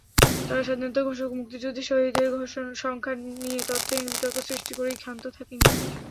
তারা স্বাধীনতার ঘোষক, মুক্তিযুদ্ধে শহীদের সংখ্যা নিয়ে তথ্যহীন বিতর্ক সৃষ্টি করেই ক্ষান্ত থাকেনি।